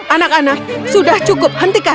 anak anak sudah cukup hentikan